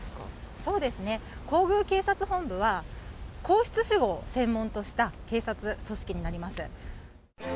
そうですね、皇宮警察本部は、皇室守護を専門とした警察組織になります。